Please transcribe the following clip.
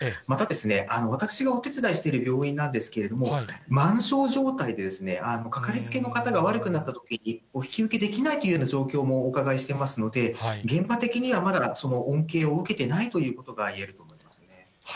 また、私がお手伝いしている病院なんですけれども、満床状態で、かかりつけの方が悪くなったときに、お引き受けできないというような状況もお伺いしていますので、現場的にはまだ恩恵を受けてないということがいえると思いますね。